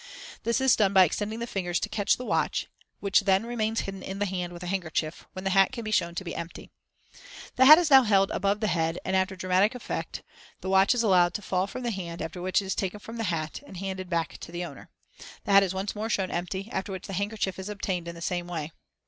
This is done by extending the fingers to catch the watch, which then remains hidden in the hand with the handkerchief, when the hat can be shown to be empty. The hat is now held above the head, and after due dramatic effect, the watch is allowed to fall from the hand, after which it is taken from the hat and handed back to the owner. The hat is once more shown empty after which the handkerchief is obtained in the same way.